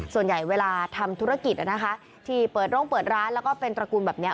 ส่วนใหญ่เวลาทำธุรกิจนะคะที่เปิดโรงเปิดร้านแล้วก็เป็นตระกูลแบบนี้